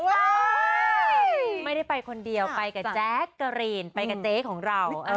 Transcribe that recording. ไม่ได้ไปคนเดียวไปกับแจ๊กกะรีนไปกับเจ๊ของเรา